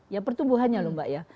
ya pertumbuhannya lho mbak ya